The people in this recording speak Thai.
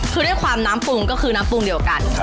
คือด้วยความน้ำปรุงก็คือน้ำปรุงเดียวกัน